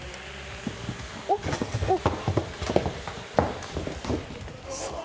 おっ、おっ。